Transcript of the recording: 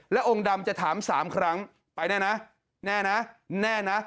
แล้วองค์ดำจะถาม๓ครั้งไปแน่นะแน่นะแน่นะ